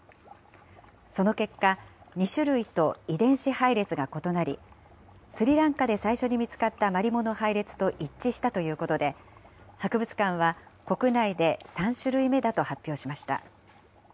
その結果、２種類と遺伝子配列が異なり、スリランカで最初に見つかったマリモの配列と一致したということで、博物館は、国内で３種類目だと発表しました。